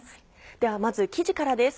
ではまず生地からです。